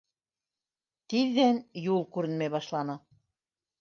Тиҙҙән юл күренмәй башланы.